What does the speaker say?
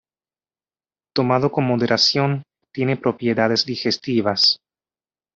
Tomado con moderación, tiene propiedades digestivas.